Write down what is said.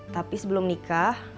tapi sebelum nikah